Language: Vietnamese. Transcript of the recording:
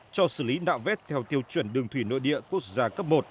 cho xử lý nạo vét theo tiêu chuẩn đường thủy nội địa quốc gia cấp một